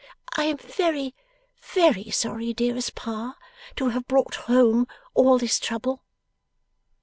I am very, very sorry, dearest Pa, to have brought home all this trouble.